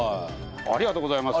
ありがとうございます。